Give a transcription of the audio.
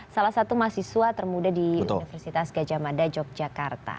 salah satu mahasiswa termuda di universitas gajah mada yogyakarta